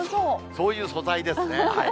そういう素材ですね。